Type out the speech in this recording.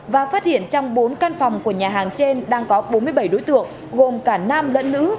và phát hiện trong bốn căn phòng của nhà hàng trên đang có bốn mươi bảy đối tượng gồm cả nam lẫn nữ